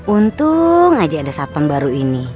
untung aja ada satpam baru ini